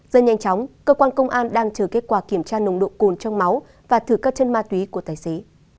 rất nhanh chóng cơ quan công an đang chờ kết quả kiểm tra nồng độ cồn trong máu và thử các chân ma túy của tài xế